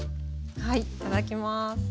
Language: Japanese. はいいただきます！